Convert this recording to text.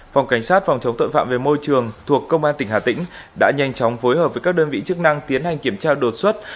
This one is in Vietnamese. phòng cảnh sát phòng chống tội phạm về môi trường thuộc công an tỉnh hà tĩnh đã nhanh chóng phối hợp với các đơn vị chức năng tiến hành kiểm tra đột xuất